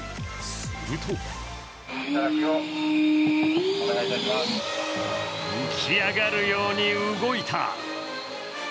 すると浮き上がるように動いた。